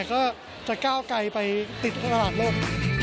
ก็จะก้าวไกลไปติดตลาดโลก